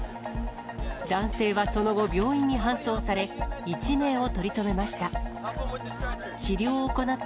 男性はその後、病院に搬送され、一命を取り留めました。